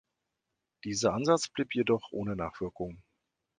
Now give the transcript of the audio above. Dieser Ansatz blieb jedoch ohne Nachwirkung.